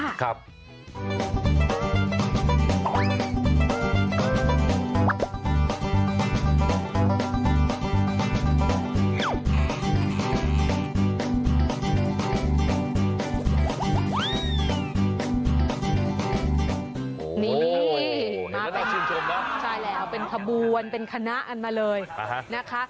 โอ้โหนี่มากนะใช่แล้วเป็นขบวนเป็นคณะอันมาเลยนะคะ